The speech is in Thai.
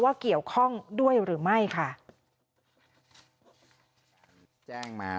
เกี่ยวข้องด้วยหรือไม่ค่ะ